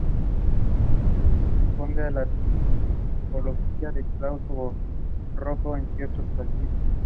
Responde a la tipología de claustro barroco con un cierto clasicismo.